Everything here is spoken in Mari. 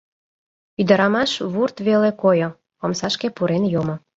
Ӱдырамаш вурт веле койо, омсашке пурен йомо.